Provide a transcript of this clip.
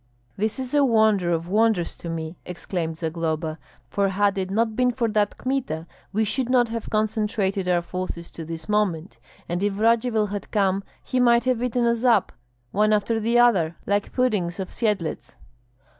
"This is a wonder of wonders to me!" exclaimed Zagloba; "for had it not been for that Kmita, we should not have concentrated our forces to this moment, and if Radzivill had come he might have eaten us up, one after the other, like puddings of Syedlets."